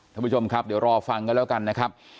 ท่านผู้ชมครับเดี๋ยวรอฟังกันแล้วกันนะครับ